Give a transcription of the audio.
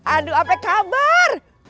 aduh apa kabar